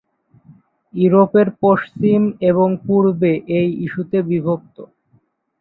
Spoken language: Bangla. ইউরোপের পশ্চিম এবং পুর্বে এই ইস্যুতে বিভক্ত।